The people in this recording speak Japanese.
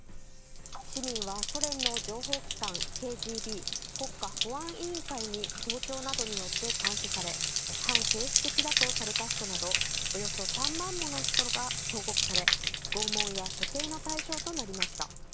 市民はソ連の情報機関ＫＧＢ・国家保安委員会に盗聴などによって監視され反政府的だとされた人などおよそ３万もの人が投獄され拷問や処刑の対象となりました。